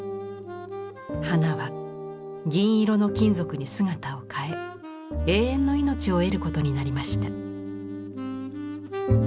花は銀色の金属に姿を変え永遠の命を得ることになりました。